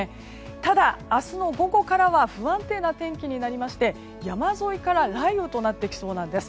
ただ、明日の午後からは不安定な天気になりまして山沿いから雷雨となってきそうなんです。